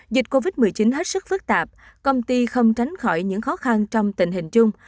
dịch covid một mươi chín hết sức phức tạp công ty không tránh khỏi những khó khăn trong tình hình chung